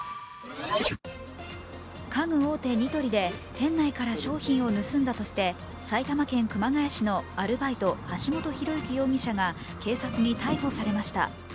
家具大手・ニトリで店内から商品を盗んだとして埼玉県熊谷市のアルバイト橋本寛之容疑者が警察に逮捕されました。